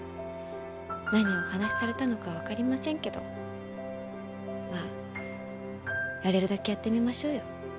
何をお話しされたのか分かりませんけどまあやれるだけやってみましょうよ。